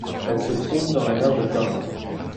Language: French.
Elles se trouvent dans la mer de Kara.